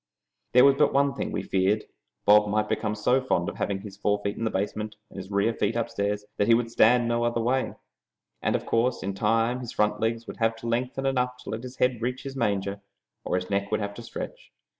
There was but one thing we feared: Bob might become so fond of having his forefeet in the basement and his rear feet upstairs, that he would stand no other way, and in course of time his front legs would have to lengthen enough to let his head reach his manger, or his neck would have to stretch.